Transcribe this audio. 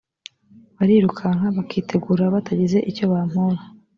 barirukanka bakitegura batagize icyo bampora